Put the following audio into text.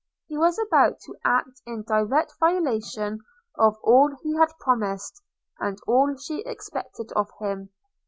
He was about to act in direct violation of all he had promised, and all she expected of him.